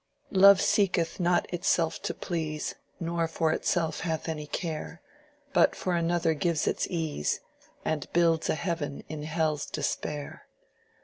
"Love seeketh not itself to please, Nor for itself hath any care But for another gives its ease And builds a heaven in hell's despair.